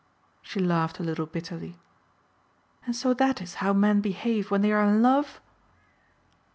She laughed a little bitterly. "And so that is how men behave when they are in love!"